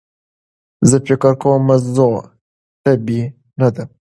زه فکر کوم موضوع طبیعي نده.